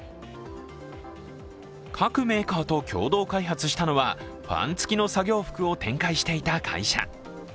各メーカーと共同開発したのはファン付きの作業服を展開していた会社。